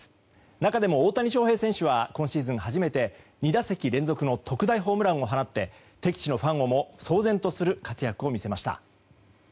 中でも大谷翔平選手は今シーズン初めて２打席連続の特大ホームランを放って敵地のファンをも騒然とする活躍を見せました。